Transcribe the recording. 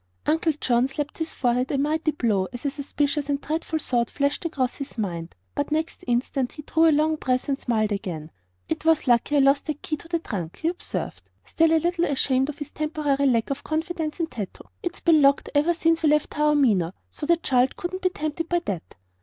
Uncle John slapped his forehead a mighty blow as a suspicious and dreadful thought flashed across his mind. But next instant he drew a long breath and smiled again. "It was lucky I lost that key to the trunk," he observed, still a little ashamed of his temporary lack of confidence in Tato. "It's been locked ever since we left Taormina, so the child couldn't be tempted by that."